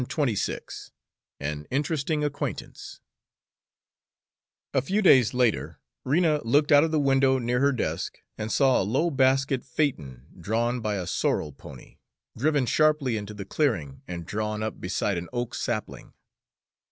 XXVII AN INTERESTING ACQUAINTANCE A few days later, Rena looked out of the window near her desk and saw a low basket phaeton, drawn by a sorrel pony, driven sharply into the clearing and drawn up beside an oak sapling.